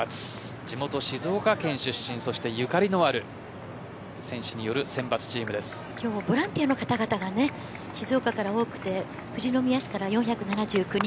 地元、静岡県出身でゆかりのある今日もボランティアの方々が静岡から多くて富士宮市から４７９人